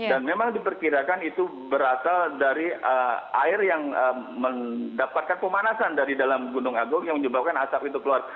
dan memang diperkirakan itu berasal dari air yang mendapatkan pemanasan dari dalam gunung agung yang menyebabkan asap itu keluar